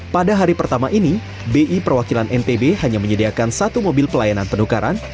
pada hari pertama ini bi perwakilan ntb hanya menyediakan satu mobil pelayanan penukaran